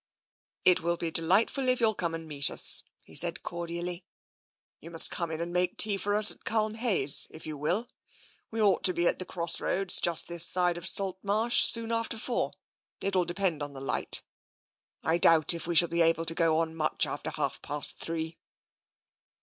" It will be delightful if you'll come and meet us/' he said cordially. " You must come in and make tea for us at Culm hayes, if you will. We ought to be at the cross roads, just this side of Salt Marsh, soon after four. It will depend on the light. I doubt if we shall be able to go on much after half past three."